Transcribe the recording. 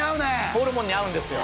ホルモンに合うんですよ